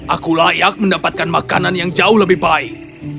aku layak mendapatkan makanan yang jauh lebih baik